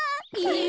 え！